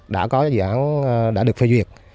đã có dự án đã được phí